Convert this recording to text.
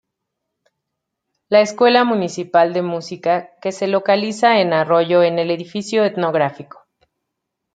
La Escuela Municipal de Música, que se localiza en Arroyo en el Edificio Etnográfico.